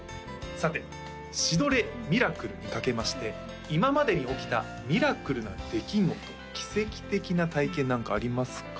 さて「シ・ド・レ・ミラクル」にかけまして今までに起きたミラクルな出来事奇跡的な体験何かありますか？